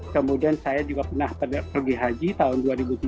kemudian saya juga pernah pergi haji tahun dua ribu tujuh belas